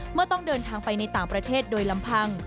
ต้องเดินทางไปในต่างประเทศโดยลำพัง